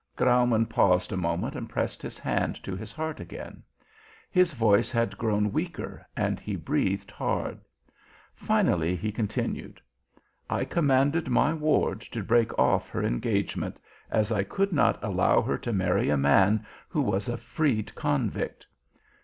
Graumann paused a moment and pressed his hand to his heart again. His voice had grown weaker, and he breathed hard. Finally he continued: "I commanded my ward to break off her engagement, as I could not allow her to marry a man who was a freed convict.